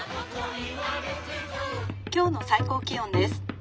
「今日の最高気温です」。